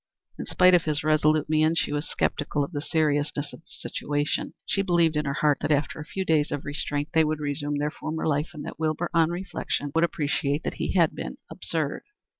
In spite of his resolute mien she was sceptical of the seriousness of the situation. She believed in her heart that after a few days of restraint they would resume their former life, and that Wilbur, on reflection, would appreciate that he had been absurd.